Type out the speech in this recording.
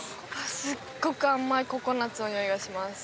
すっごく甘いココナッツの匂いがします